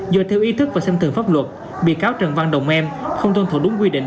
do theo ý thức và xem thường pháp luật bị cáo trần văn đồng em không tuân thủ đúng quy định